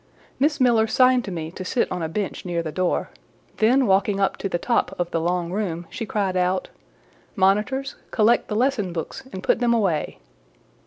Miss Miller signed to me to sit on a bench near the door, then walking up to the top of the long room she cried out— "Monitors, collect the lesson books and put them away!"